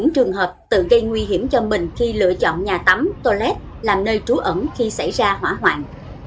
trường hợp tự gây nguy hiểm cho mình khi lựa chọn nhà tắm toilet làm nơi trú ẩn khi xảy ra hỏa hoạn